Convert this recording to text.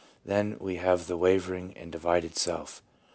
... Then we . have the wavering and divided self.